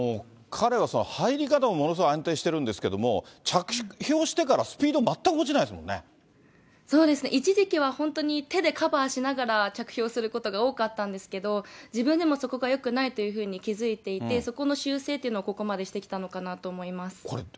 彼は入り方もものすごく安定してるんですけど、着氷してから、そうですね、一時期は本当に手でカバーしながら着氷することが多かったんですけど、自分でもそこがよくないというふうに気付いていて、そこの修正っていうのを、ここまでしてきたのかなと思います。